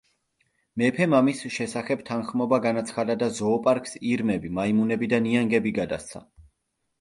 მეფემ ამის შესახებ თანხმობა განაცხადა და ზოოპარკს ირმები, მაიმუნები და ნიანგები გადასცა.